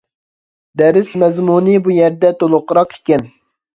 دەرس مەزمۇنى بۇ يەردە تولۇقراق ئىكەن.